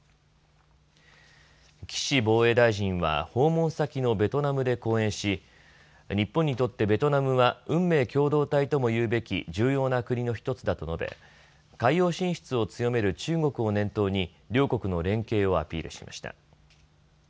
岸防衛大臣は訪問先のベトナムで講演し日本にとってベトナムは運命共同体とも言うべき重要な国の１つだと述べ海洋進出を強める中国を念頭に両国の連携をアピールしました。